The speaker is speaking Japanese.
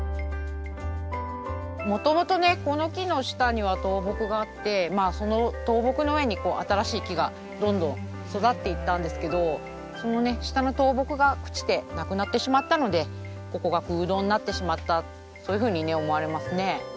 もともとねこの木の下には倒木があってその倒木の上に新しい木がどんどん育っていったんですけどその下の倒木が朽ちてなくなってしまったのでここが空洞になってしまったそういうふうに思われますね。